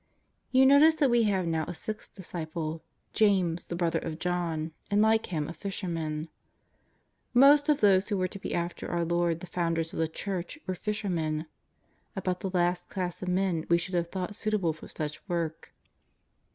You notice that we have now a sixth disciple, James, the brother of John, and like him a fisherman. Most of those who were to be after our Lord the founders of the Church were fishermen, about the last class of men we should have thought suitable for such a work.